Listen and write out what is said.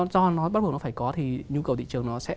do nó bắt buộc nó phải có thì nhu cầu thị trường nó sẽ